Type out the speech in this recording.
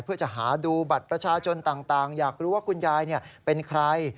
เพื่อจะหาดูบัตรประชาชนต่างอยากรู้ว่าคุณยายเป็นใคร